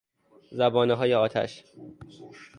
زبانههای آتش